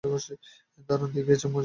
দারুণ দেখিয়েছ, মোজেস।